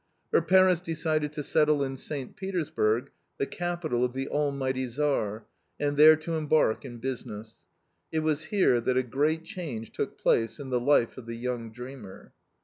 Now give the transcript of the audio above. Her parents decided to settle in St. Petersburg, the capital of the Almighty Tsar, and there to embark in business. It was here that a great change took place in the life of the young dreamer.